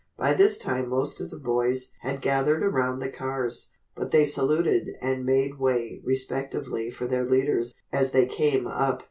By this time most of the boys had gathered around the cars, but they saluted and made way respectfully for their leaders as they came up.